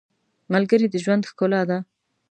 • ملګری د ژوند ښکلا ده.